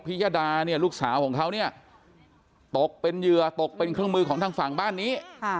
ยดาเนี่ยลูกสาวของเขาเนี่ยตกเป็นเหยื่อตกเป็นเครื่องมือของทางฝั่งบ้านนี้